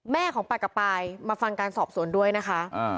แม่ของปากกระปายมาฟังการสอบสวนด้วยนะคะ